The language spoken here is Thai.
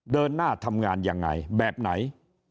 เดินหน้าทำงานยังไงแบบไหน